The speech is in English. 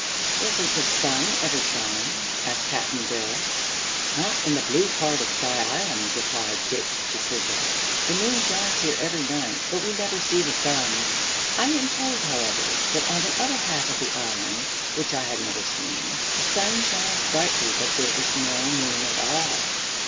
"Doesn't the sun ever shine?" asked Cap'n Bill. "Not in the blue part of Sky Island," replied Ghip Ghisizzle. "The moon shines here every night, but we never see the sun. I am told, however, that on the other half of the Island which I have never seen the sun shines brightly but there is no moon at all."